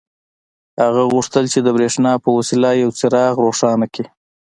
هغه غوښتل چې د برېښنا په وسیله یو څراغ روښانه کړي